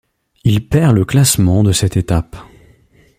Il perd le classement de cette étape.